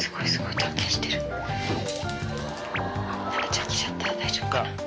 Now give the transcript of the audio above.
ナナちゃん来ちゃった大丈夫かな。